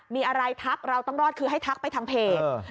มีอะไรทักเราต้องรอดคือให้ทักไปทางเพจ